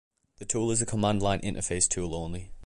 The tool is a Command Line Interface tool only.